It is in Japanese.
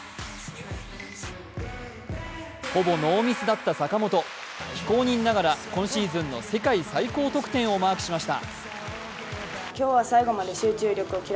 ほぼノーミスだった坂本、非公認ながら今シーズンの世界最高得点をマークしました。